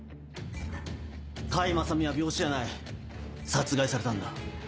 甲斐正美は病死じゃない殺害されたんだ。